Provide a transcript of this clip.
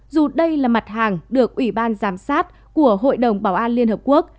dù đây là mặt hàng được ủy ban giám sát của hội đồng bảo an liên hợp quốc